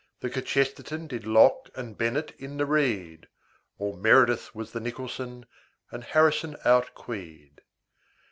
The kchesterton Did locke and bennett in the reed. All meredith was the nicholson, And harrison outqueed.